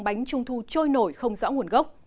bánh trung thu trôi nổi không rõ nguồn gốc